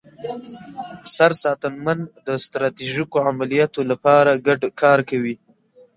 سرساتنمن د ستراتیژیکو عملیاتو لپاره ګډ کار کوي.